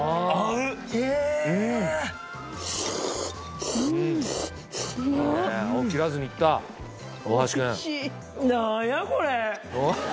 うん切らずにいった大橋くん何やこれ！